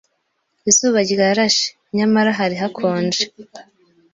Izuba ryarashe, nyamara hari hakonje.